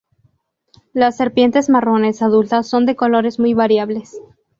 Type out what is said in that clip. Las serpientes marrones adultas son de colores muy variables.